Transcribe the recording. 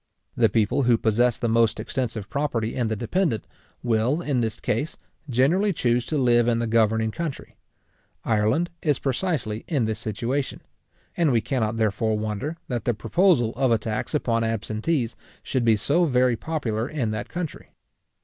The people who possess the most extensive property in the dependant, will, in this case, generally chuse to live in the governing country. Ireland is precisely in this situation; and we cannot therefore wonder, that the proposal of a tax upon absentees should be so very popular in that country.